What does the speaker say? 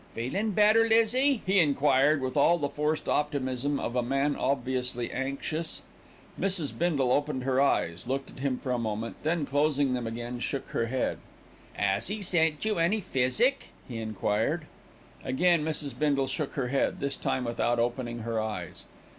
"Feelin' better, Lizzie?" he enquired, with all the forced optimism of a man obviously anxious. Mrs. Bindle opened her eyes, looked at him for a moment, then, closing them again, shook her head. "'As 'e sent you any physic?" he enquired. Again Mrs. Bindle shook her head, this time without opening her eyes.